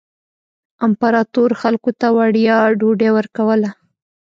امپراتور خلکو ته وړیا ډوډۍ ورکوله.